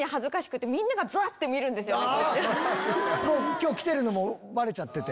今日来てるのもバレちゃってて。